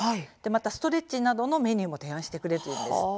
ストレッチなどのメニューも提案してくれるということです。